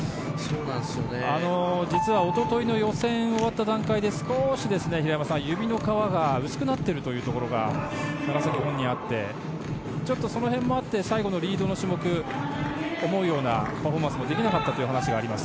実は一昨日の予選が終わった段階で少し、平山さん、指の皮が薄くなっているというところが楢崎本人にあって最後のリードの種目思うようなパフォーマンスもできなかったという話があります。